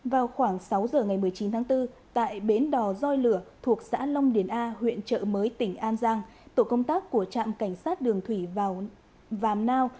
vào khoảng sáu giờ ngày một mươi chín tháng bốn tại bến đò doi lửa thuộc xã long điền a huyện trợ mới tỉnh an giang tổ công tác của trạm cảnh sát đường thủy vào vàm nao